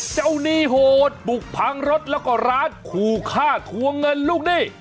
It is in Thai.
หนี้โหดบุกพังรถแล้วก็ร้านขู่ฆ่าทวงเงินลูกหนี้